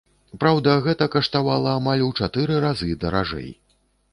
Праўда, гэта каштавала амаль у чатыры разы даражэй.